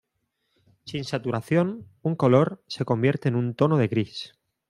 Sin saturación, un color se convierte en un tono de gris.